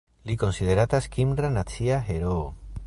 Li konsideratas kimra nacia heroo.